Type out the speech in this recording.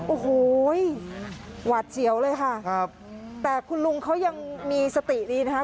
โอ้โหหวาดเสียวเลยค่ะครับแต่คุณลุงเขายังมีสติดีนะคะ